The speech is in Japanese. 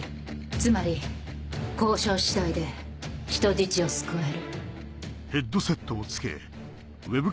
つまり交渉次第で人質を救える。